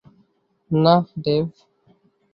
না, ডেভ।